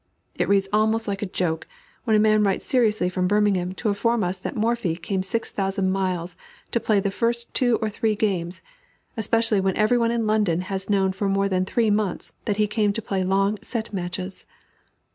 It reads almost like a joke, when a man writes seriously from Birmingham to inform us that Morphy came 6000 miles to play the first two or first three games, especially when every one in London has known for more than three months that he came to play long set matches.